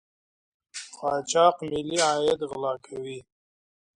قاچاق ملي عاید غلا کوي.